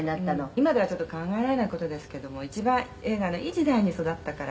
「今ではちょっと考えられない事ですけども一番映画のいい時代に育ったから」